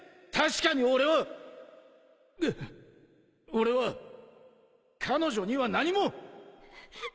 俺は彼女には何も。